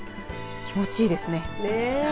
気持ちいいですね。